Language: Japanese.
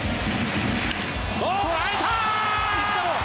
捉えた！